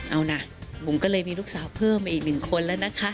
เอานะบุ๋มก็เลยมีลูกสาวเพิ่มมาอีกหนึ่งคนแล้วนะคะ